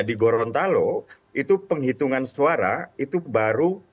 di gorontalo itu penghitungan suara itu baru